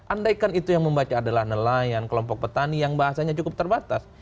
andaikan itu yang membaca adalah nelayan kelompok petani yang bahasanya cukup terbatas